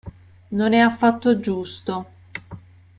Non è affatto giusto.